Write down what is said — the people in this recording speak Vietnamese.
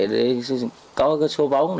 để có số bóng